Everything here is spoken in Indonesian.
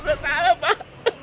saya salah pak